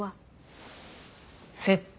窃盗。